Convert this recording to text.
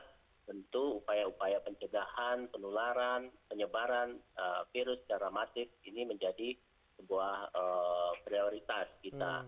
tentu upaya upaya pencegahan penularan penyebaran virus secara masif ini menjadi sebuah prioritas kita